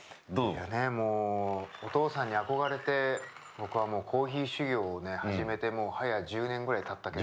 いやねもうお父さんに憧れて僕はコーヒー修業をね始めてもうはや１０年ぐらいたったけど。